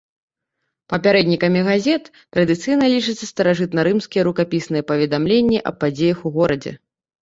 Папярэднікамі газет традыцыйна лічацца старажытнарымскія рукапісныя паведамленні аб падзеях у горадзе.